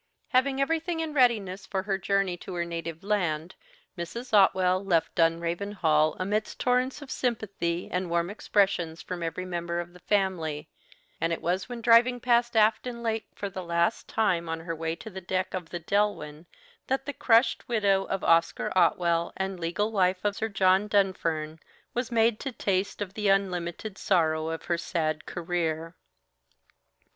Having everything in readiness for her journey to her native land, Mrs. Otwell left Dunraven Hall amidst torrents of sympathy and warm expressions from every member of the family; and it was when driving past Afton Lake for the last time on her way to the deck of the "Delwyn" that the crushed widow of Oscar Otwell and legal wife of Sir John Dunfern was made to taste of the unlimited sorrow of her sad career.